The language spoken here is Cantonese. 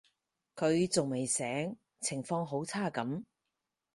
佢仲未醒，情況好差噉